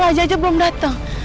raja aja belum datang